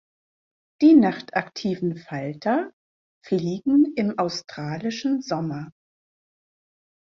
Die nachtaktiven Falter fliegen im australischen Sommer.